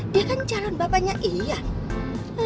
dia kan calon bapaknya iya